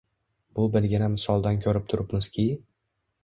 Bu birgina misoldan ko‘rib turibmizki